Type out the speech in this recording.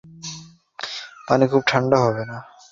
পানি খুব ঠাণ্ডা হবে না।